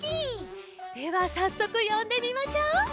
ではさっそくよんでみましょう！